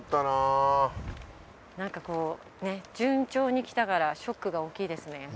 なんかこうね順調にきたからショックが大きいですね。